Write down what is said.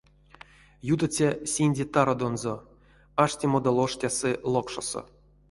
Ютыця синди тарадонзо, аштемадо лоштясы локшосо.